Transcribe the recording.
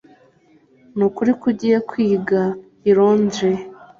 Nukuri ko ugiye kwiga i Londres